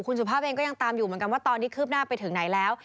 คุณสุภาพเองก็ยังตามอยู่เหมือนกันว่าตอนนี้คืบหน้าไปถึงไหนแล้ว